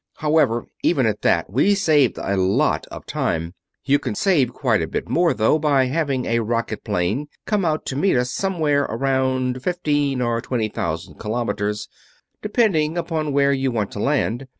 However, even at that we saved a lot of time. You can save quite a bit more, though, by having a rocket plane come out to meet us somewhere around fifteen or twenty thousand kilometers, depending upon where you want to land.